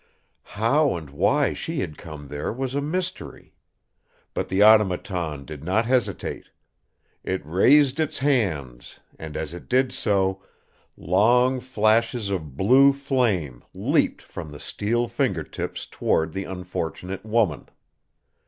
How and why she had come there was a mystery. But the Automaton did not hesitate. It raised its hands and, as it did so, long flashes of blue flame leaped from the steel finger tips toward the unfortunate woman.